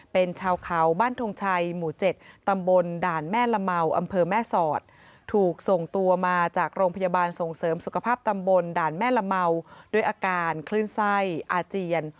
เป็นชาวเขาบ้านทรงชัยหมู่๗ตำบลด่านแม่ละเมาอำเภอแม่ศอด